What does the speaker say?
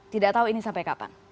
tidak tahu ini sampai kapan